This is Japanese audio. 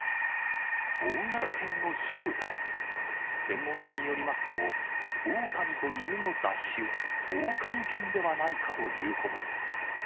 大型犬の正体、専門家によりますと、オオカミと犬の雑種、オオカミ犬ではないかということです。